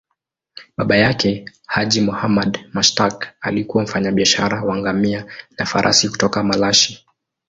Baba yake, Haji Muhammad Mushtaq, alikuwa mfanyabiashara wa ngamia na farasi kutoka Malashi.